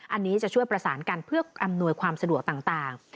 อันนี้จะช่วยประสานกันเพื่ออำนวยความสะดวกต่าง